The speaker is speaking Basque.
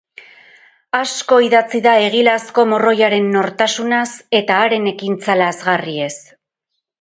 Asko idatzi da Egilazko morroiaren nortasunaz eta haren ekintza lazgarriez.